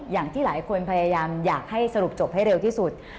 อย่างที่หลายคนพยายามอยากให้สรุปจบให้เร็วที่สุด